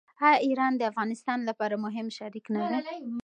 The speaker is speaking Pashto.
آیا ایران د افغانستان لپاره مهم شریک نه دی؟